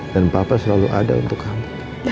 dan papa selalu ada untuk kamu